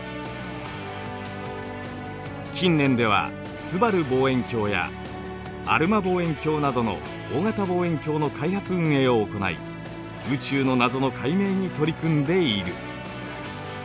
近年ではすばる望遠鏡やアルマ望遠鏡などの大型望遠鏡の開発運営を行い宇宙の謎の解明に取り組んでいる。